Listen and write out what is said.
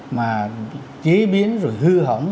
mà chế biến rồi hư hỏng